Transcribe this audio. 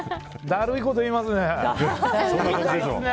だるいこと言いますね。